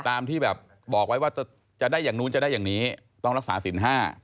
ตามที่แบบบอกไว้ว่าจะได้อย่างนู้นจะได้อย่างนี้ต้องรักษาสิน๕